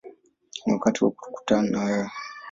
Ni wakati wa kukutana na wewe”.